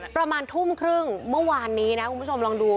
ประมาณทุ่มครึ่งเมื่อวานนี้นะคุณผู้ชมลองดู